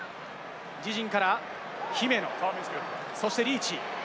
自陣から姫野、そしてリーチ。